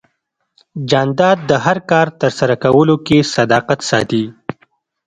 جانداد د هر کار ترسره کولو کې صداقت ساتي.